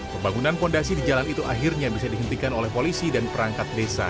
pembangunan fondasi di jalan itu akhirnya bisa dihentikan oleh polisi dan perangkat desa